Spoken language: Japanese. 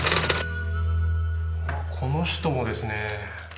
この人もですね。